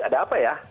ada apa ya